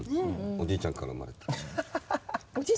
おじいちゃんから産まれたの？